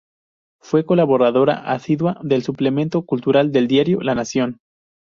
Fue colaboradora asidua del Suplemento Cultural del diario "La Nación".